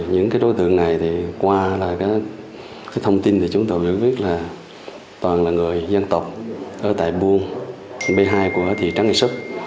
những đối tượng này qua là thông tin chúng tôi biết là toàn là người dân tộc ở tại buôn b hai của thị trấn nghệ sức